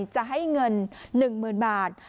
จะให้เงินหนึ่งหมื่นบาท